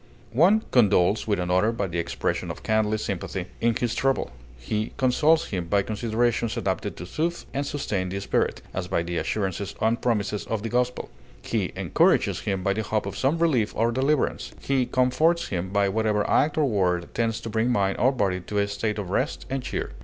One condoles with another by the expression of kindly sympathy in his trouble; he consoles him by considerations adapted to soothe and sustain the spirit, as by the assurances and promises of the gospel; he encourages him by the hope of some relief or deliverance; he comforts him by whatever act or word tends to bring mind or body to a state of rest and cheer.